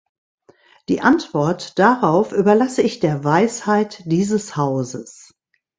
Die Antwort darauf überlasse ich der Weisheit dieses Hauses.